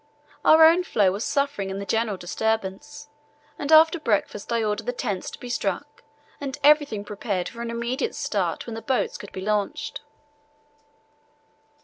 Our own floe was suffering in the general disturbance, and after breakfast I ordered the tents to be struck and everything prepared for an immediate start when the boats could be launched."